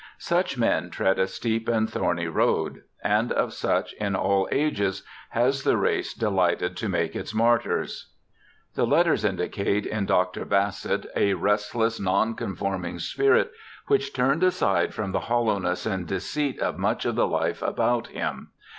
Such men tread a steep and thorny road, and of such in all ages has the race delighted to make its martyrs. The letters indicate in Dr. Bassett a restless, nonconforming spirit, which turned aside from the hollowness and deceit of much of the life about him.